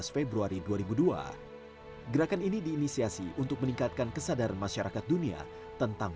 februari dua ribu dua gerakan ini diinisiasi untuk meningkatkan kesadaran masyarakat dunia tentang